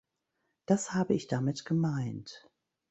Das habe ich damit gemeint.